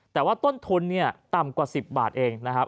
แต่ว่าต้นทุนเนี่ยต่ำกว่า๑๐บาทเองนะครับ